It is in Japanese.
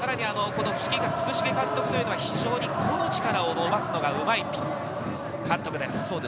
福重監督というのは非常に個の力を伸ばすのがうまい監督です。